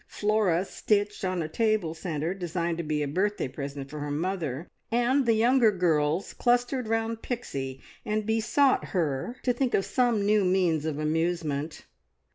Flora stitched on a table centre destined to be a birthday present for her mother, and the younger girls clustered round Pixie, and besought her to think of some new means of amusement.